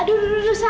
aduh aduh aduh sap